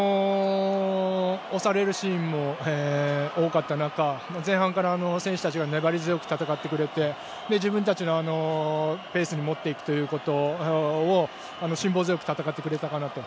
押されるシーンも多かった中、前半から選手たちが粘り強く戦ってくれて自分たちのペースに持っていくということを辛抱強く戦ってくれたかなと。